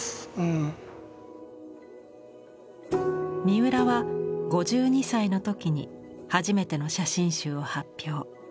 三浦は５２歳の時に初めての写真集を発表。